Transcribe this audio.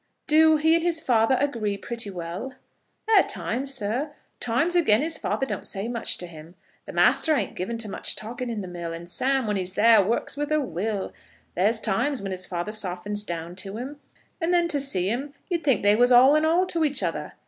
"Do he and his father agree pretty well?" "At times, sir. Times again his father don't say much to him. The master ain't given to much talking in the mill, and Sam, when he's there, works with a will. There's times when his father softens down to him, and then to see 'em, you'd think they was all in all to each other.